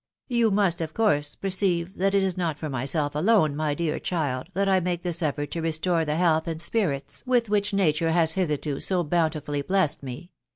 You must, of course, perceive that it is not for myself alone, my dear child, that I make this effort to restore the health and spirits with which nature has hitherto so bounti fully blessed me